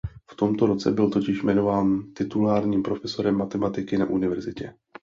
V tomto roce byl totiž jmenován titulárním profesorem matematiky na univerzitě.